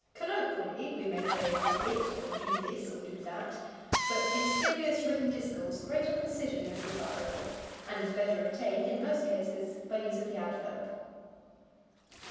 Colloquially we may say do it, or do this, or do that, but in serious written discourse greater precision is desirable, and is better obtained, in most cases, by use of the adverb.